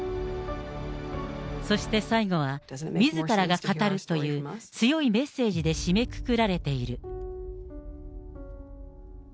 そして最後は、みずからが語るという、強いメッセージで締めくくられている。